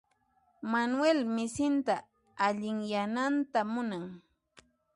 Manuel misinta allinyananta munan.